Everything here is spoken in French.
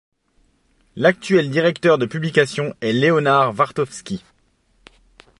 L'actuel directeur de publication est Leonard Wartofsky.